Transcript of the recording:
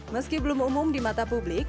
meski belum umum di mata publik